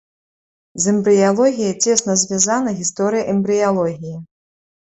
З эмбрыялогіяй цесна звязана гісторыя эмбрыялогіі.